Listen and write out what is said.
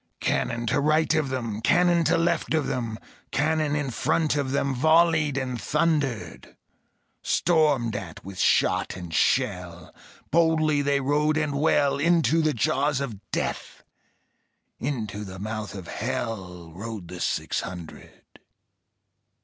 Cannon to right of them, Cannon to left of them, Cannon in front of them Volleyed and thundered. Stormed at with shot and shell, Boldly they rode and well; Into the jaws of Death, Into the mouth of Hell, Rode the six hundred.